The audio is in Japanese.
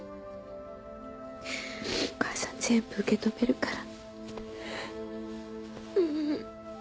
お母さん全部受け止めるから。